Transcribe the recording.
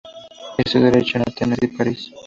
Estudió Derecho en Atenas y París.